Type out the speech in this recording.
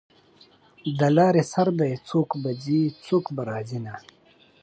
د لارې سر دی څوک به ځي څوک به راځینه